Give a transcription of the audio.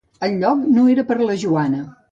El lloc no era per a la Joana.